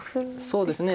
そうですね